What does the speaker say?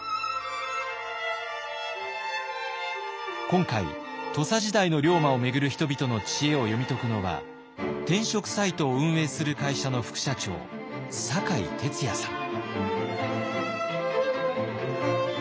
今回土佐時代の龍馬を巡る人々の知恵を読み解くのは転職サイトを運営する会社の副社長酒井哲也さん。